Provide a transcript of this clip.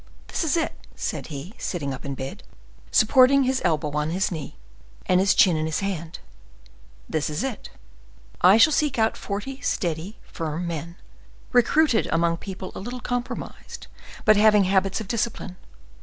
"This is it," said he, sitting up in bed, supporting his elbow on his knee, and his chin in his hand;—"this is it. I shall seek out forty steady, firm men, recruited among people a little compromised, but having habits of discipline.